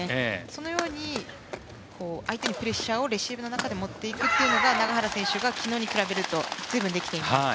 そのように相手にプレッシャーをレシーブの中で持っていくというのが永原選手が昨日に比べると随分できています。